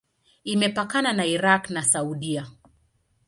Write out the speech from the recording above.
Imepakana na Irak na Saudia.